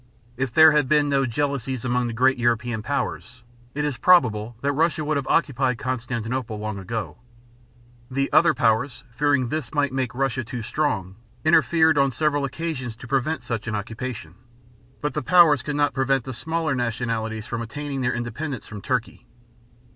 If there had been no jealousies among the great European powers, it is probable that Russia would have occupied Constantinople long ago. The other powers, fearing this might make Russia too strong, interfered on several occasions to prevent such an occupation. But the powers could not prevent the smaller nationalities from attaining their independence from Turkey.